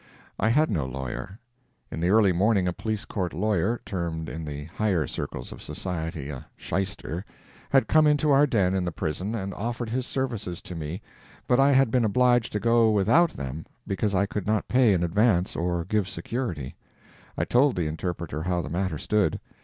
I had no lawyer. In the early morning a police court lawyer (termed, in the higher circles of society, a "shyster") had come into our den in the prison and offered his services to me, but I had been obliged to go without them because I could not pay in advance or give security. I told the interpreter how the matter stood.